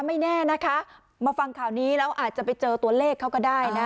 ไม่แน่นะคะมาฟังข่าวนี้แล้วอาจจะไปเจอตัวเลขเขาก็ได้นะ